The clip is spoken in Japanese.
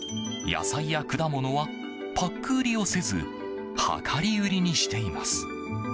野菜や果物はパック売りをせず量り売りにしています。